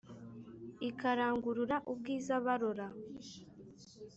Ikarangurura ubwiza barora